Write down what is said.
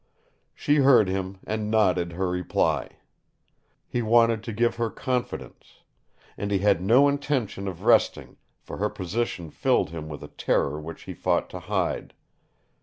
She heard him and nodded her reply. He wanted to give her confidence. And he had no intention of resting, for her position filled him with a terror which he fought to hide.